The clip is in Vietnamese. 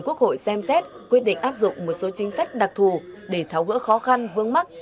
quốc hội xem xét quyết định áp dụng một số chính sách đặc thù để tháo gỡ khó khăn vướng mắt